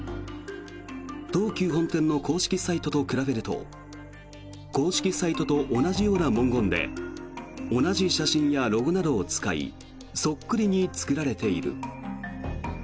東急本店の公式サイトと比べると公式サイトと同じような文言で同じ写真やロゴなどを使いそっくりに作られている。